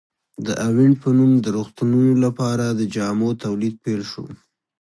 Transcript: د اوینټ په نوم د روغتونونو لپاره د جامو تولید پیل شو.